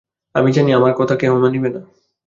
আমি জানি, আমার কথা কেহ মানিবে না।